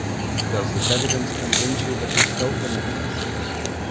'Does this evidence convince you that he stole the necklace?'